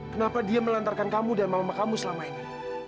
kenapa dia melantarkan kamu dan mama kamu selama ini